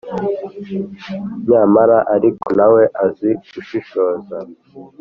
Nyamara ariko na we azi gushishoza: